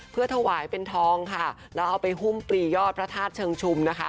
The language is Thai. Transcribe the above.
เพื่อถวายเป็นทองและเอาไปหุ้มปรียอดประธาตุเชิงชุม